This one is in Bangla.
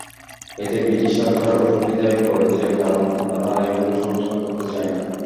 এতে ব্রিটিশ সরকার অসুবিধায় পড়েছে, কারণ তারা আইনগুলো সংস্কার করতে চায় না।